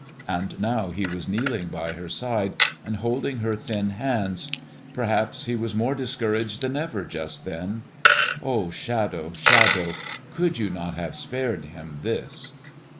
And now he was kneeling by her side, and holding her thin hands. Perhaps he was more discouraged than ever, just then. O Shadow, Shadow, could you not have spared him this?